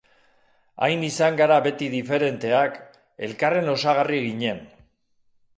Hain izan gara beti diferenteak, elkarren osagarri ginen.